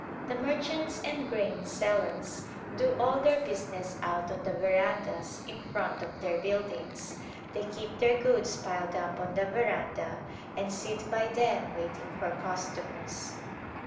The merchants and grain sellers do all their business out on the verandas in front of their buildings ; they keep their goods piled up on the veranda and sit by them waiting for cus tomers.